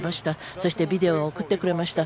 そしてビデオを送ってくれました。